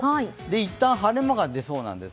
いったん晴れ間が出そうなんです。